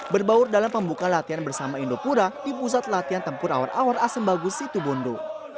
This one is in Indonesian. berbaur dalam pembuka latihan bersama indopura di pusat latihan tempur awar awar asem bagus situbondo